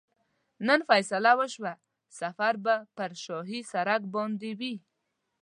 نن فیصله وشوه سفر به پر شاهي سړک باندې وي.